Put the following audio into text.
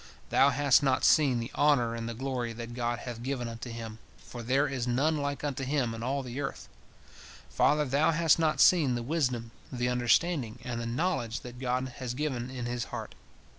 Thou hast not seen the honor and the glory that God hath given unto him, for there is none like unto him in all the earth. Father, thou hast not seen the wisdom, the understanding, and the knowledge that God has given in his heart.